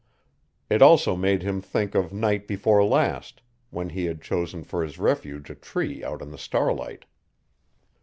It also made him think of night before last, when he had chosen for his refuge a tree out in the starlight.